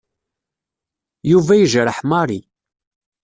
Yuba yejreḥ Mary.